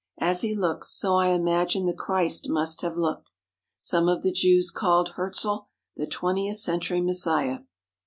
As he looks, so I imagine the Christ must have looked." Some of the Jews called Herzl the "Twentieth Century Messiah."